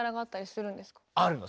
あるの。